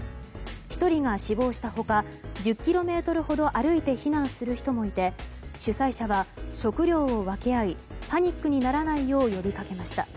１人が死亡した他１０ｋｍほど歩いて避難する人もいて主催者は食料を分け合いパニックにならないよう呼びかけました。